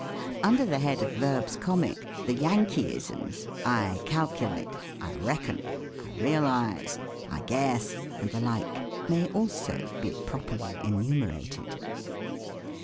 Under the head of Verbs Comic, the Yankeeisms, I ■' calculate," I " reckon," I " realise," I " guess," and the like, may also be properly enumerated.